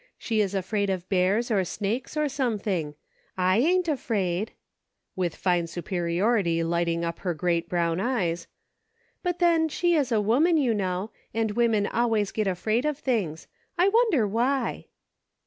She is afraid of bears, or snakes, or something; I ain't afraid" — with fine superiority lighting up her great brown eyes —" but then she is a woman, you know ; and women always get afraid of things; I wonder why.!